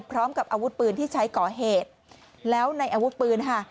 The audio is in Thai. พร้อมกับอาวุธปืนที่ใช้ก่อเหตุแล้วในอาวุธปืนค่ะ